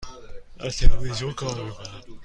در تلویزیون کار می کنم.